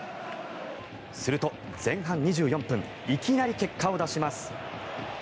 すると前半２４分いきなり結果を出します。